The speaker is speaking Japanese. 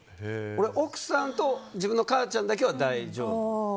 奥さんと自分の母ちゃんだけは大丈夫。